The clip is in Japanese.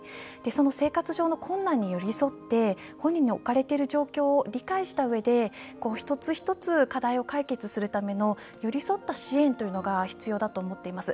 その生活上の困難に寄り添って本人の置かれている状況を理解したうえで一つ一つ課題を解決するための寄り添った支援というのが必要だと思っています。